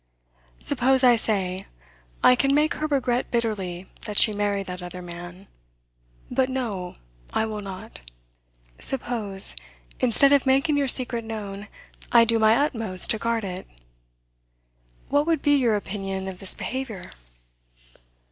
Suppose I say: I can make her regret bitterly that she married that other man; but no, I will not! Suppose, instead of making your secret known, I do my utmost to guard it! What would be your opinion of this behaviour?